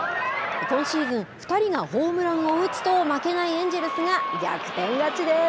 今シーズン２人がホームランを打つと負けないエンジェルスが逆転勝ちです。